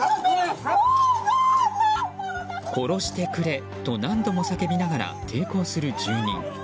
殺してくれと何度も叫びながら抵抗する住人。